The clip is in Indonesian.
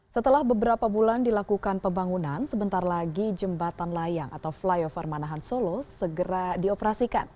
setelah beberapa bulan dilakukan pembangunan sebentar lagi jembatan layang atau flyover manahan solo segera dioperasikan